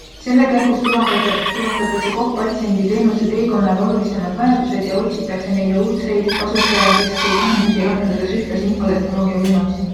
Selle käigus tuvastatakse KOK patsiendi teenuse teekonnal olulisemad vajadused ja otsitakse neile uudseid, kasutajakeskseid lahendusi, rakendades ühtlasi infotehnoloogia võimalusi.